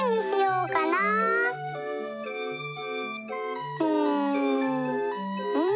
うんうん。